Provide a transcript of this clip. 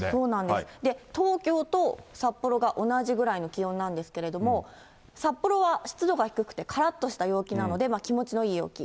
で、東京と札幌が同じぐらいの気温なんですけれども、札幌は湿度が低くてからっとした陽気なので気持ちのいい陽気。